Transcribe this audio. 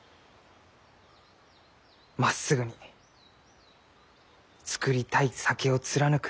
まっすぐに造りたい酒を貫く。